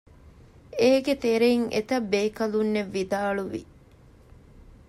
އޭގެތެރެއިން އެތައްބޭކަލުންނެއް ވިދާޅުވި